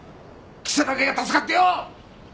記者だけが助かってよ